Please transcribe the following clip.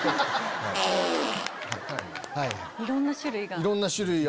いろんな種類が。